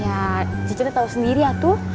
ya cicunya tau sendiri ya tuh